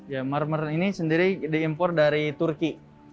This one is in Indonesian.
ya marmer ini sendiri diimpor dari turki